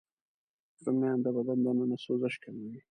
رومیان د بدن دننه سوزش کموي